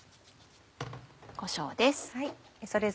こしょうです。